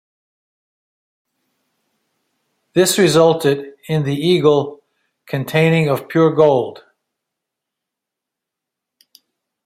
This resulted in the eagle containing of pure gold.